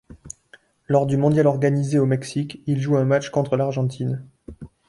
Lors du mondial organisé au Mexique, il joue un match contre l'Argentine.